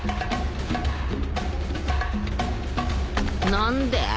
何で？